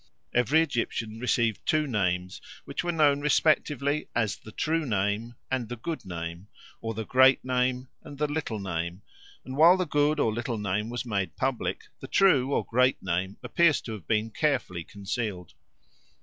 Every Egyptian received two names, which were known respectively as the true name and the good name, or the great name and the little name; and while the good or little name was made public, the true or great name appears to have been carefully concealed.